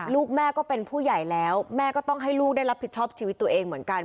ลูกแม่ก็เป็นผู้ใหญ่แล้วแม่ก็ต้องให้ลูกได้รับผิดชอบชีวิตตัวเองเหมือนกัน